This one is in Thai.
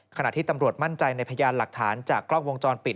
ขณะที่ตำรวจมั่นใจในพยานหลักฐานจากกล้องวงจรปิด